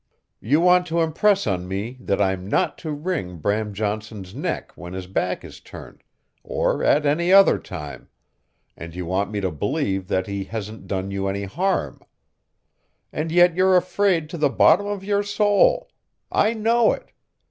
"You want to impress on me that I'm not to wring Bram Johnson's neck when his back is turned, or at any other time, and you want me to believe that he hasn't done you any harm. And yet you're afraid to the bottom of your soul. I know it.